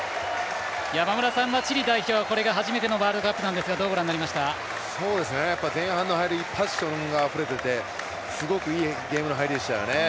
山村さんはチリ代表は、これが初めてのワールドカップなんですが前半の入りパッションがあふれててすごくいいゲームの入りでしたね。